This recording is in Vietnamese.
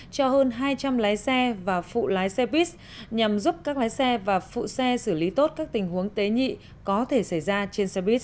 cho hơn hai trăm linh lái xe và phụ lái xe buýt nhằm giúp các lái xe và phụ xe xử lý tốt các tình huống tế nhị có thể xảy ra trên xe buýt